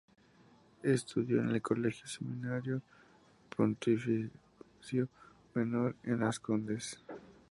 Estudió en el Colegio Seminario Pontificio Menor, en Las Condes.